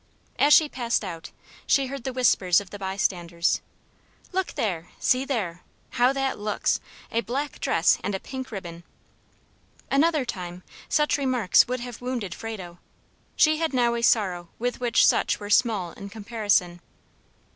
As she passed out, she heard the whispers of the by standers, "Look there! see there! how that looks, a black dress and a pink ribbon!" Another time, such remarks would have wounded Frado. She had now a sorrow with which such were small in comparison.